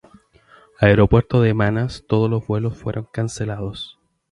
Aeropuerto de Manas todos los vuelos fueron cancelados.